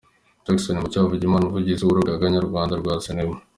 Jackson Mucyo Havugimana, umuvugizi w'urugaga nyarwanda rwa sinema.